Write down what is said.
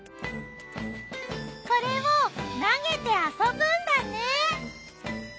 これを投げて遊ぶんだね。